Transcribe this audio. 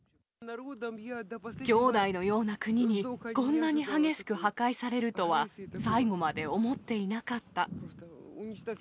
兄弟のような国に、こんなに激しく破壊されるとは、最後まで思っていなかった。